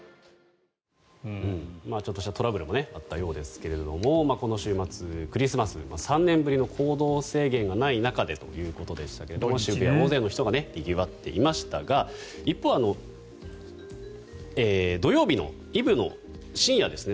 ちょっとしたトラブルもあったようですがこの週末、クリスマス３年ぶりの行動制限がない中でということでしたが大勢の人でにぎわっていましたが一方、土曜日のイブの深夜ですね